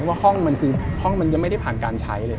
ว่าห้องมันคือห้องมันยังไม่ได้ผ่านการใช้เลย